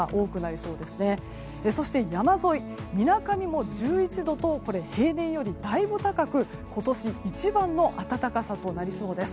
そして山沿い、みなかみも１１度と平年よりもだいぶ高く今年一番の暖かさとなりそうです。